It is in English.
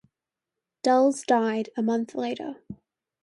Dulles died a month later.